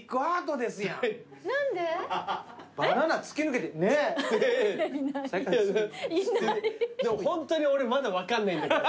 でもホントに俺まだ分かんないんだけど。